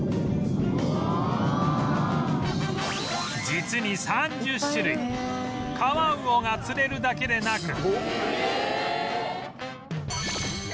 実に３０種類川魚が釣れるだけでなく